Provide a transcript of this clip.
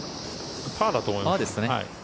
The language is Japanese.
パーだと思います。